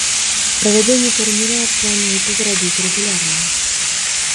Правядзенне турніра плануецца зрабіць рэгулярным.